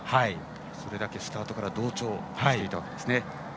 それだけスタートから同調していたわけですね。